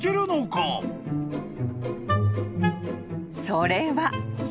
［それは］